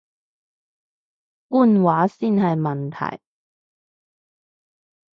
官話先係問題